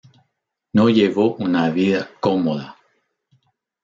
No llevó una vida cómoda.